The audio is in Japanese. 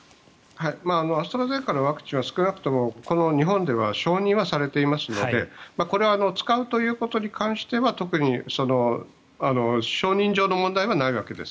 アストラゼネカのワクチンは少なくとも、この日本では承認はされていますので使うということに関しては特に承認上の問題はないわけです。